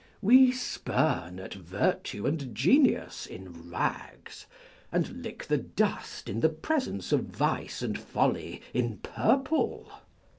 We spurn at virtue and genius in rags ; and lick the dust in the presence of vice and folly in purple.